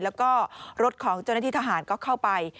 แล้วก็รถของเจ้าหน้าที่ทหารก็เข้าไป